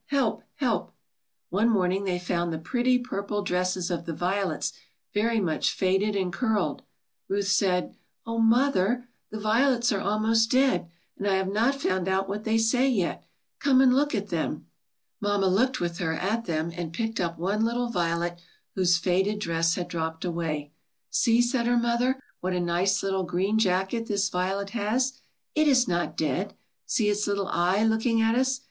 help! help!" One morning they found the pretty purple dresses of the violets very much faded and curled. Ruth said, "Oh, mother, the violets are almost dead, and I have not found out what they say yet. Come and look at them." Mamma looked with her at them and picked up one little violet whose faded dress had dropped away. "See," said her mother, "what a nice, little green jacket this violet has. It is not dead. See its little eye look ing at us.